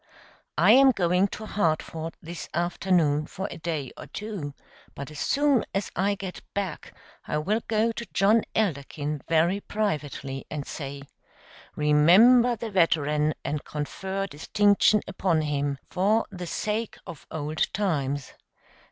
I am going to Hartford this afternoon for a day or two, but as soon as I get back I will go to John Elderkin very privately and say: 'Remember the veteran and confer distinction upon him, for the sake of old times.